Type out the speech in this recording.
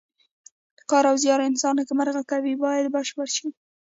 کار او زیار انسان نیکمرغه کوي باید بشپړ شي.